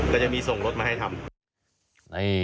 ก็จะมีส่งรถมาให้ทำ